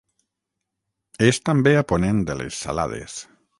És també a ponent de les Salades.